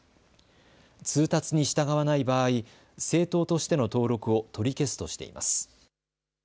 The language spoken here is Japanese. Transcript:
通達に従わない場合、政党としての登録を取り消すとしています。